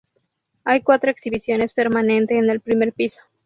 Hay cuatro exhibiciones permanente en el primer piso.